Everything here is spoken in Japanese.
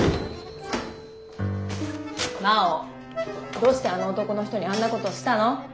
真央どうしてあの男の人にあんなことをしたの？